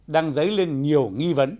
đang dấy lên nhiều nghi vấn